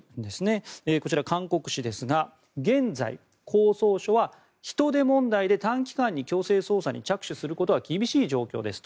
こちら韓国紙ですが現在、公捜処は人手問題で強制捜査に着手することは厳しい状況ですと。